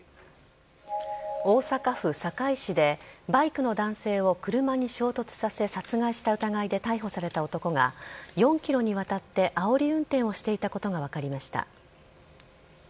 大阪府堺市でバイクの男性を車に衝突させ、殺害した疑いで逮捕された男が、４キロにわたってあおり運転をしていたことが分かりました。